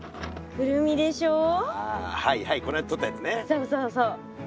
そうそうそう。